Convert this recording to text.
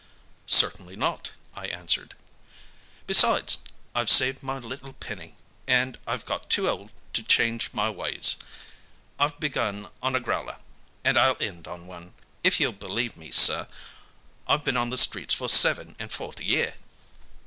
"Certainly not!" I answered. "Besides, I've saved my little penny, and I'm got too old to change my ways. I've begun on a growler, and I'll end on one. If you'll believe me, sir, I've been on the streets for seven and forty year."